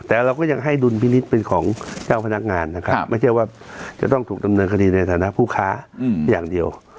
แต่เราก็ยังให้ดุลพินิษฐ์เป็นของเจ้าพนักงานนะครับไม่ใช่ว่าจะต้องถูกดำเนินคดีในฐานะผู้ค้าอย่างเดียว